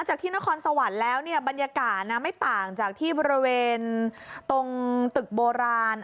จากที่นครสวรรค์แล้วเนี่ยบรรยากาศไม่ต่างจากที่บริเวณตรงตึกโบราณ